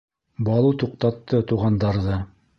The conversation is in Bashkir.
Балу туҡтатты Туғандарҙы.